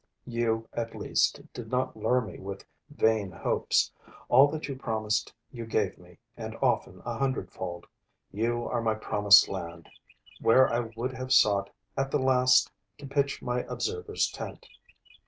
You, at least, did not lure me with vain hopes; all that you promised you gave me and often a hundredfold. You are my promised land, where I would have sought at the last to pitch my observer's tent.